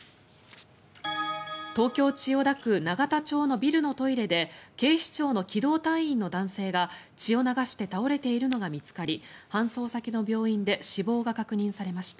東京・千代田区永田町のビルのトイレで警視庁の機動隊員の男性が血を流して倒れているのが見つかり搬送先の病院で死亡が確認されました。